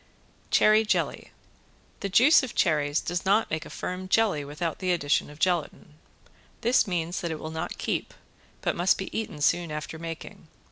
~CHERRY JELLY~ The juice of cherries does not make a firm jelly without the addition of gelatin. This means that it will not keep, but must be eaten soon after making.